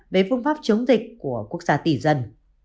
về phương pháp chống dịch của quốc gia tỷ dân